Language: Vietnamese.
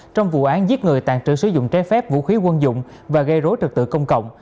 trong vụ án giết người tàn trữ sử dụng trái phép vũ khí quân dụng và gây rối trật tự công cộng